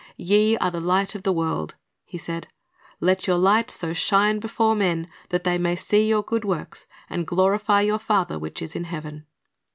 "Ye are the light of the world," He said. "Let your light so shine before men, that they may see your good works, and glorify your Father which is in heaven."